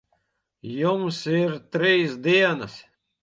Jums ir trīs dienas.